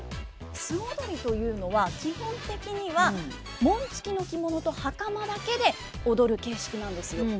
素踊りというのは基本的には紋付きの着物と袴だけで踊る形式なんですよ。